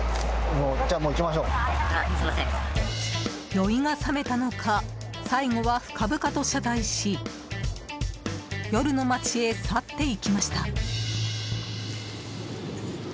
酔いが覚めたのか最後は深々と謝罪し夜の街へ去っていきました。